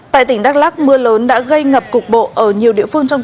tại tỉnh đắk lắc mưa lớn đã gây ngập cục bộ ở nhiều địa phương trong